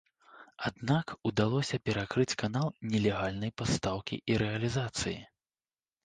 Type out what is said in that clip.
Аднак удалося перакрыць канал нелегальнай пастаўкі і рэалізацыі.